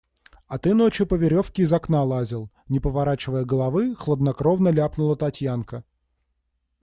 А ты ночью по веревке из окна лазил, – не поворачивая головы, хладнокровно ляпнула Татьянка.